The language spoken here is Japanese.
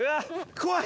怖い。